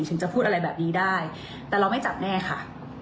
ถึงจะพูดอะไรแบบนี้ได้แต่เราไม่จับแน่ค่ะ